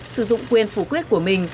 sử dụng quyền phủ quyết của mình